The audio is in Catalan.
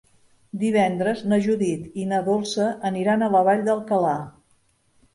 Divendres na Judit i na Dolça aniran a la Vall d'Alcalà.